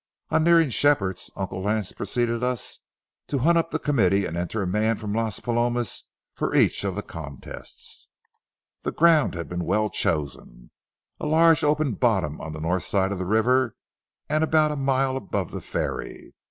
On nearing Shepherd's, Uncle Lance preceded us, to hunt up the committee and enter a man from Las Palomas for each of the contests. The ground had been well chosen,—a large open bottom on the north side of the river and about a mile above the ferry.